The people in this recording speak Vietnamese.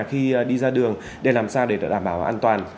khi đi ra đường để làm sao để đảm bảo an toàn